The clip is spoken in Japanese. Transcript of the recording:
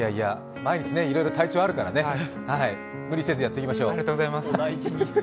毎日いろいろ体調あるからね無理せずやっていきましょう。